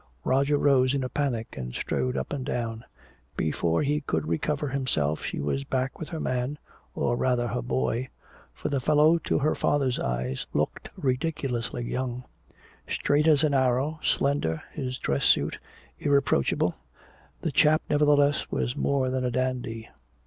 Roger rose in a panic and strode up and down. Before he could recover himself she was back with her man, or rather her boy for the fellow, to her father's eyes, looked ridiculously young. Straight as an arrow, slender, his dress suit irreproachable, the chap nevertheless was more than a dandy.